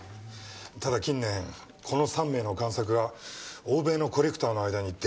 ただ近年この３名の贋作が欧米のコレクターの間に出回っていたそうです。